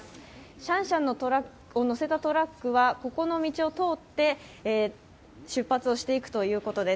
シャンシャンを乗せたトラックはここの道を通って出発をしていくということです。